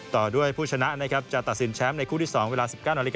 ต่อด้วยผู้ชนะจะตัดสินแชมป์ในคู่ที่๒เวลา๑๙๓๐